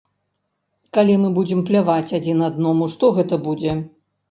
Калі мы будзем пляваць адзін аднаму, што гэта будзе.